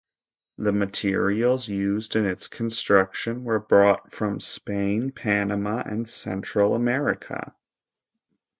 The materials used in its construction were brought from Spain, Panama and Central America.